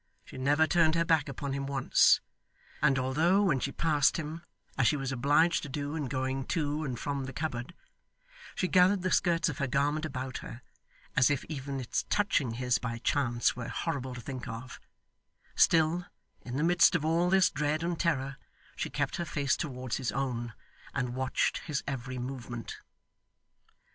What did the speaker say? She never turned her back upon him once; and although when she passed him (as she was obliged to do in going to and from the cupboard) she gathered the skirts of her garment about her, as if even its touching his by chance were horrible to think of, still, in the midst of all this dread and terror, she kept her face towards his own, and watched his every movement.